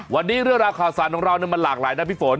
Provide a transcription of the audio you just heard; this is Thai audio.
วันนี้เรื่องราวข่าวสารของเรามันหลากหลายนะพี่ฝน